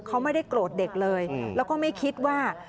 เขาไม่ได้โกรธเด็กเลยแล้วก็ไม่คิดว่า